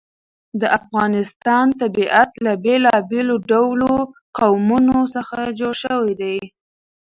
د افغانستان طبیعت له بېلابېلو ډولو قومونه څخه جوړ شوی دی.